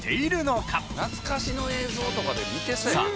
懐かしの映像とかで見てそう。